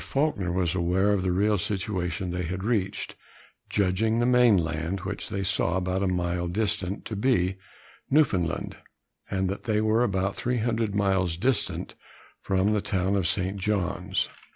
Faulkner was aware of the real situation they had reached, judging the main land, which they saw about a mile distant, to be Newfoundland, and that they were about 300 miles distant from the town of St. John's.